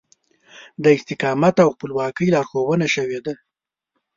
د استقامت او خپلواکي لارښوونه شوې ده.